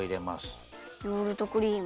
ヨーグルトクリーム。